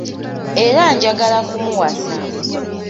Era ngyagala kumuwasa.